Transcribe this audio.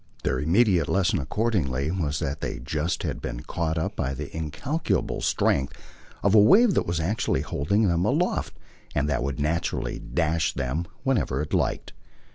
Their immediate lesson accordingly was that they just had been caught up by the incalculable strength of a wave that was actually holding them aloft and that would naturally dash them wherever it liked.